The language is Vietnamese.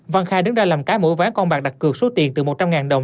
văn khai đứng ra làm cái mỗi ván con bạc đặt cược số tiền từ một trăm linh đồng